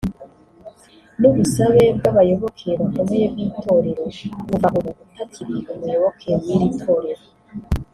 n’ubusabe bw’abayoboke bakomeye b’itorero kuva ubu utakiri umuyoboke w’iri torero